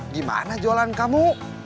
gimana jualan kamu